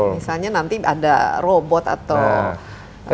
misalnya nanti ada robot atau ai yang menggantikan